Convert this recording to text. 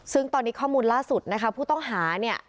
ซึ่งตอนนี้ข้อมูลล่าสุดนะคะผู้ต้องหาเนี่ย